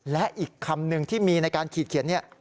และอีกคำหนึ่งที่มีในการขีดเขียนเนี่ย